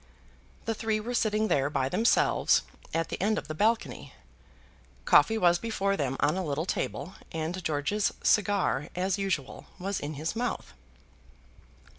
The three were sitting there, by themselves, at the end of the balcony. Coffee was before them on a little table, and George's cigar, as usual, was in his mouth.